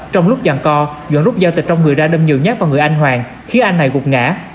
trong lúc giàn co duẩn rút dao tịch trong người ra đâm nhiều nhát vào người anh hoàng khiến anh này gục ngã